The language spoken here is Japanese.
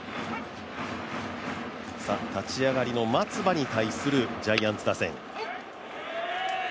立ち上がりの松葉に対するジャイアンツ打線。